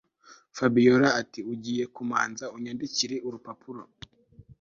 Fabiora atiugiye kumanza unyandikiri urupapuro